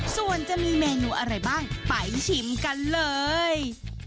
ส่วนจะมีเมนูอะไรบ้างไปชิมกันเลย